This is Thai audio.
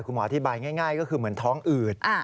หมออธิบายง่ายก็คือเหมือนท้องอืด